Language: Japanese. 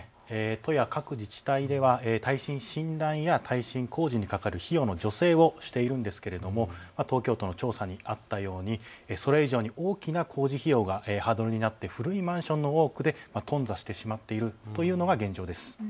都や各自体では耐震診断や耐震工事にかかる費用の助成をしているんですが、東京都の調査にあったようにそれ以上に大きな工事費用がハードルになって古いマンションの多くで頓挫してしまっているというのが現状です。